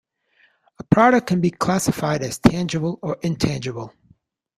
A product can be classified as tangible or intangible.